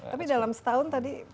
tapi dalam setahun tadi